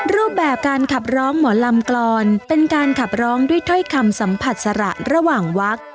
รูปแบบการขับร้องหมอลำกรอนเป็นการขับร้องด้วยถ้อยคำสัมผัสสระระหว่างวัก